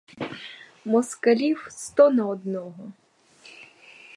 Москалів сто на одного.